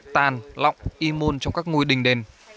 tàn lọng y môn trong các ngôi đình đền